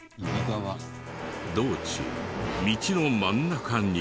道中道の真ん中に。